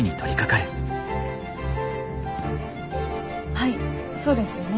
はいそうですよね。